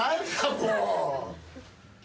もう。